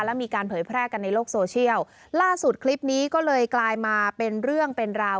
แล้วมีการเผยแพร่กันในโลกโซเชียลล่าสุดคลิปนี้ก็เลยกลายมาเป็นเรื่องเป็นราว